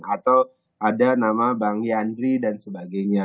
atau ada nama bang yandri dan sebagainya